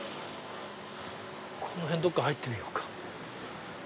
この辺どっか入ってみようか。